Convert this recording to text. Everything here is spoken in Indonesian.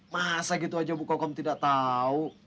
masa gitu aja bu kokom tidak tahu